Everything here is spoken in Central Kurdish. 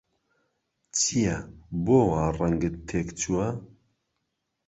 چییە، بۆ وا ڕەنگت تێکچووە؟